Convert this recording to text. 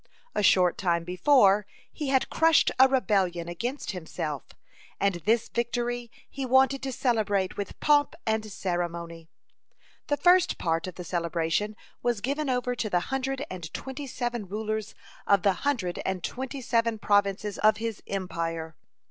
A short time before, he had crushed a rebellion against himself, and this victory he wanted to celebrate with pomp and ceremony. (6) The first part of the celebration was given over to the hundred and twenty seven rulers of the hundred and twenty seven provinces of his empire.